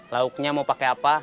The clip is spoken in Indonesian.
lauknya mau pakai apa